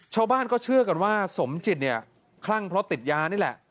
ชาวบ้านก็เชื่อกันว่าสมจิตเนี่ยคลั่งเพราะติดยานี่แหละ